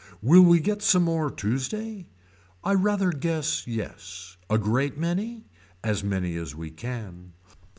Will we get some more Tuesday. I rather guess yes. A great many. As many as we can.